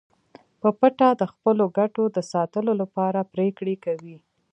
په پټه د خپلو ګټو د ساتلو لپاره پریکړې کوي